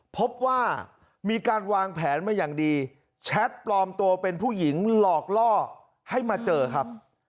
พบว่ามีการวางแผนมาอย่างดีแชทปลอมตัวเป็นผู้หญิงหลอกล่อให้มาเจอครับ